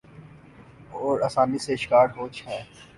اور آسانی سے شکار ہو ج ہیں